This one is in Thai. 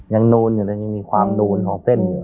ยังโน้นอยู่หรือมีความโน้นของเส้น